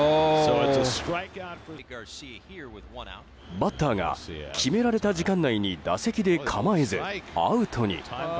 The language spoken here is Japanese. バッターが決められた時間内に打席で構えず、アウトに。